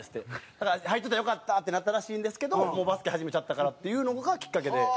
だから入ってたらよかったってなったらしいんですけどもうバスケ始めちゃったからっていうのがきっかけで。